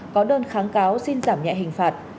có đơn kháng cáo xin giảm nhẹ hình phạt